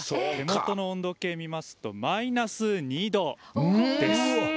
手元の温度計見ますとマイナス２度です。